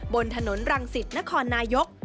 บนถนนรังสิตนครนายก